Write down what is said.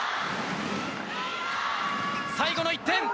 最後の１点。